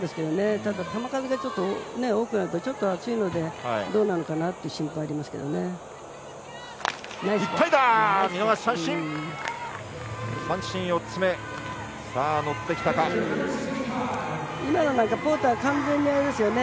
ただ、球数が多くなるとちょっと暑いのでどうなるのかなという心配がありますけどね。